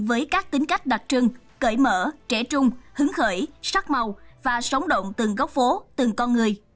với các tính cách đặc trưng cởi mở trẻ trung hứng khởi sắc màu và sống động từng góc phố từng con người